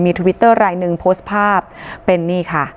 ทวิตเตอร์รายหนึ่งโพสต์ภาพเป็นนี่ค่ะ